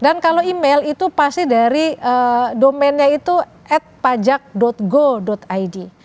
dan kalau email itu pasti dari domainnya itu at pajak go id